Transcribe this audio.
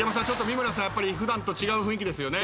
やっぱり普段と違う雰囲気ですよね。